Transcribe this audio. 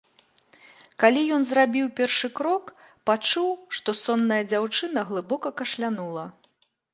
Калі ён зрабіў першы крок, пачуў, што сонная дзяўчына глыбока кашлянула.